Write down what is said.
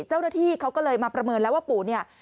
เจ้าหน้าที่เขาก็เลยมาประเมินแล้วว่าปู่เนี่ย